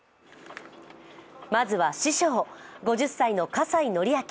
まずは師匠、５０歳の葛西紀明。